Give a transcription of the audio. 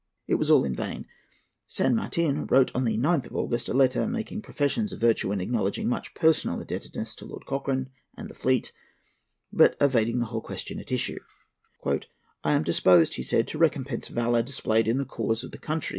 It was all in vain. San Martin wrote, on the 9th of August, a letter making professions of virtue and acknowledging much personal indebtedness to Lord Cochrane and the fleet, but evading the whole question at issue. "I am disposed," he said, "to recompense valour displayed in the cause of the country.